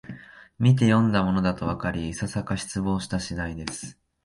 みてよんだものだとわかり、いささか失望した次第です